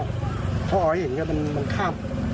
พอเขาให้เห็นมันข้าม